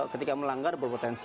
ketika melanggar berpotensi